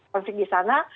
konflik di sana